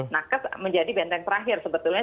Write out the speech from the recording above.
nakes menjadi benteng terakhir sebetulnya